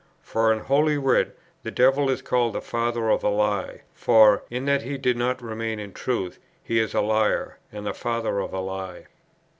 For, in holy writ, the devil is called the father of a lie; for, in that he did not remain in Truth, he is a liar, and the father of a lie.